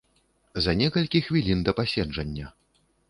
За некалькі хвілін да паседжання.